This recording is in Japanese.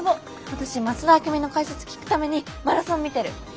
私増田明美の解説聞くためにマラソン見てる。